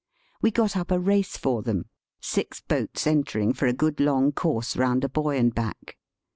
We got up a race for them, six boats entering for a good long course round a buoy and back.